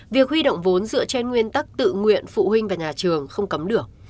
việc huy động vốn dựa trên nguyên tắc tự nguyện phụ huynh và nhà trường không cấm được